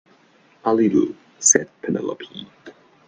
“A little,” said Penelope.